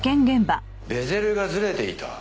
ベゼルがずれていた。